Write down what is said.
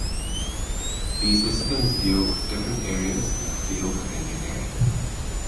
These disciplines deal with different areas in the field of engineering.